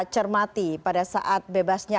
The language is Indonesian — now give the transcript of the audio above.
cermati pada saat bebasnya